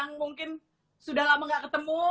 yang mungkin sudah lama gak ketemu